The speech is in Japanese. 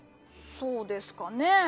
そうですかねぇ？